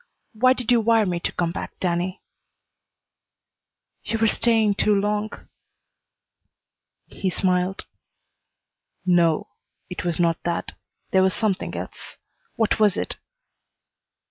Why did you wire me to come back, Danny?" "You were staying too long." He smiled. "No; it was not that. There was something else. What was it?"